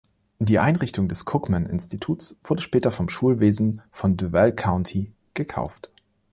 Die Einrichtung des Cookman-Instituts wurde später vom Schulwesen von Duval County gekauft.